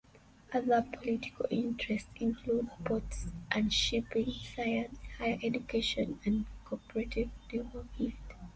Other political interests include ports and shipping, science, higher education and Co-operative development.